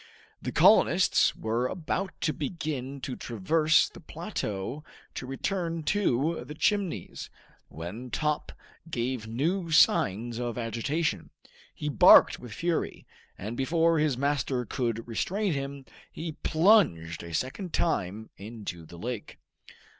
The colonists were about to begin to traverse the plateau to return to the Chimneys, when Top gave new signs of agitation. He barked with fury, and before his master could restrain him, he had plunged a second time into the lake.